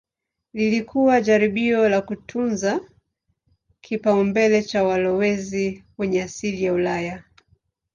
Lilikuwa jaribio la kutunza kipaumbele cha walowezi wenye asili ya Ulaya.